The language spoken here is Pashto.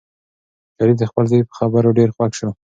شریف د خپل زوی په خبرو ډېر خوښ شو.